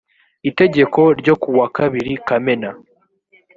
itegeko ryo kuwa kabiri kamena